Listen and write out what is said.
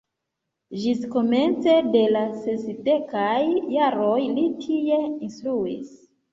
Ĝis komence de la sesdekaj jaroj li tie instruis.